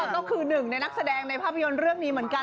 ก็คือหนึ่งในนักแสดงในภาพยนตร์เรื่องนี้เหมือนกัน